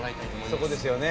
そこですよね。